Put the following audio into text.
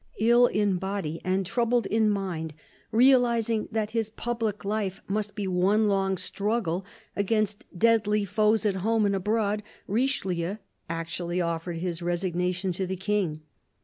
Ill in body and troubled in mind, realising that his public life must be one long struggle against deadly foes at home and abroad, Richelieu actually offered his resignation to the King.